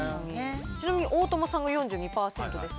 ちなみに大友さんが４２％ですが。